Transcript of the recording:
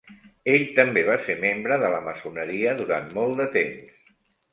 Ell també va ser membre de la maçoneria durant molt de temps.